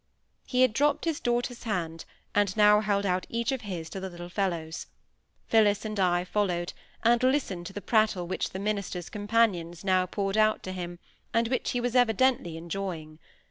He had dropped his daughter's hand, and now held out each of his to the little fellows. Phillis and I followed, and listened to the prattle which the minister's companions now poured out to him, and which he was evidently enjoying.